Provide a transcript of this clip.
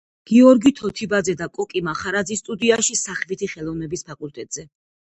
გიორგი თოთიბაძე და კოკი მახარაძის სტუდიაში, სახვითი ხელოვნების ფაკულტეტზე.